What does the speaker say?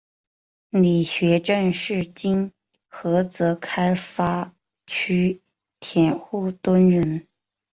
李学政是今菏泽开发区佃户屯人。